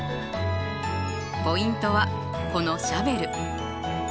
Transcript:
ポイントはこのシャベル。